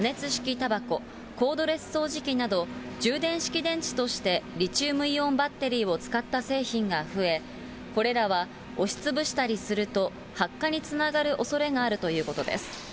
たばこ、コードレス掃除機など、充電式電池としてリチウムイオンバッテリーを使った製品が増え、これらは押しつぶしたりすると発火につながるおそれがあるということです。